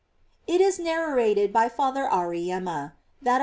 It is narrated by Father Auriemma,] that a.